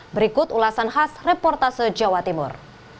berikut ulasan khas reportase jawa timur